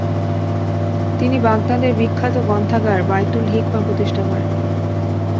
তিনি বাগদাদের বিখ্যাত গ্রন্থাগার বাইতুল হিকমাহ প্রতিষ্ঠা করেন।